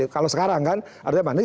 kalau sekarang kan